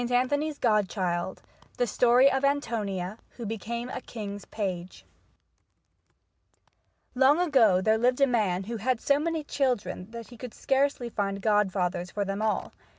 ANTHONY'S GODCHILD The Story of Antonia who became a King's Page Long ago there lived a man who had so many children that he could scarcely find godfathers for them all.